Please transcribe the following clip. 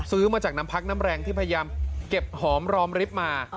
ซื้อมาจากน้ำพักน้ำแรงที่พยายามเก็บหอมรอมริบมา